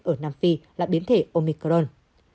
ở nam phi là biến thể omicron